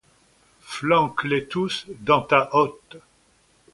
Flanque-les tous dans ta hotte